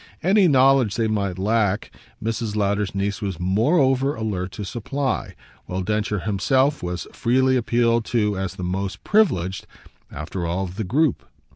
Any knowledge they might lack Mrs. Lowder's niece was moreover alert to supply, while Densher himself was freely appealed to as the most privileged, after all, of the group.